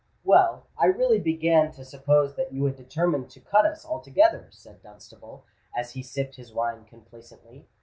"Well, I really began to suppose that you had determined to cut us altogether," said Dunstable, as he sipped his wine complacently.